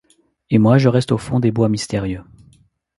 Et moi je reste au fond des bois mystérieux